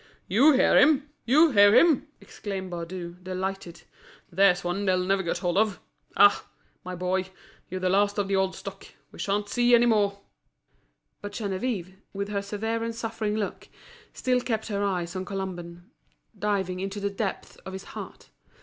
"You hear him! You hear him!" exclaimed Baudu, delighted. "There's one they'll never get hold of! Ah! my boy, you're the last of the old stock, we sha'n't see any more!" But Geneviève, with her severe and suffering look, still kept her eyes on Colomban, diving into the depths of his heart.